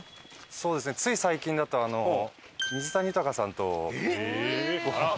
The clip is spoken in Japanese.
そうですねつい最近だと水谷豊さんとごはん。